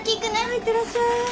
はい行ってらっしゃい。